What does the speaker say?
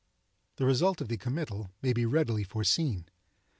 The result of the committal may be readily foreseen.